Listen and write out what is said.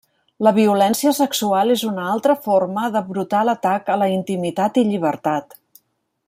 La violència sexual és una altra forma de brutal atac a la intimitat i llibertat.